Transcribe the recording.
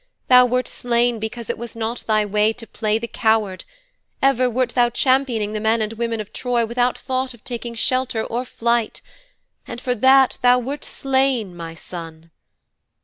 Thou wert slain because it was not thy way to play the coward; ever wert thou championing the men and women of Troy without thought of taking shelter or flight. And for that thou wert slain, my son."'